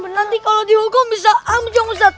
nanti kalau dihukum bisa amjong zat